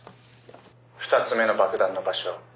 「２つ目の爆弾の場所」